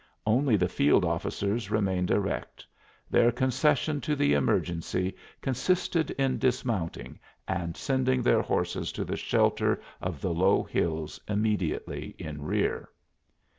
Only the field officers remained erect; their concession to the emergency consisted in dismounting and sending their horses to the shelter of the low hills immediately in rear.